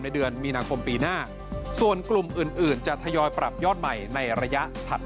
เดือนมีนาคมปีหน้าส่วนกลุ่มอื่นจะทยอยปรับยอดใหม่ในระยะถัด